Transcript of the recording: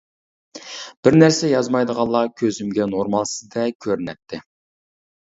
بىر نەرسە يازمايدىغانلار كۆزۈمگە نورمالسىزدەك كۆرۈنەتتى.